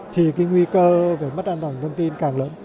thì cái nguy cơ về mất an toàn thông tin càng lớn